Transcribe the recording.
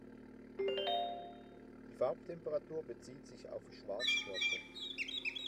Die Farbtemperatur bezieht sich auf Schwarzkörper.